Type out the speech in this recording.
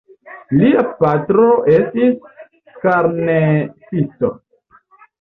Lia patro estis klarnetisto.